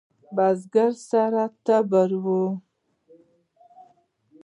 بزگر سره تبر و.